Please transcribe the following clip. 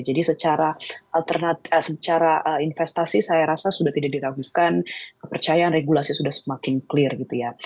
jadi secara alternatif secara investasi saya rasa sudah tidak diragukan kepercayaan regulasi sudah semakin clear gitu ya